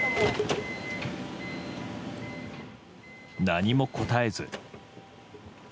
何も答えず。